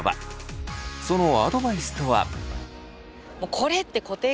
そのアドバイスとは。